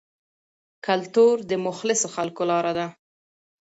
کلتور د مخلصو خلکو لاره ده.